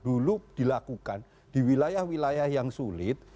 dulu dilakukan di wilayah wilayah yang sulit